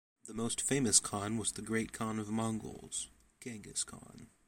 The most famous khan was the Great Khan of Mongols: Genghis Khan.